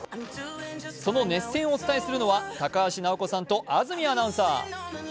その熱戦をお伝えするのは、高橋尚子さんと安住アナウンサー。